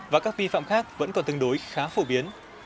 và các vi phạm khác vẫn còn tương đối khá phổ biến